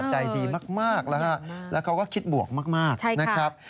ใจดีมากนะฮะแล้วเขาก็คิดบวกมากนะครับ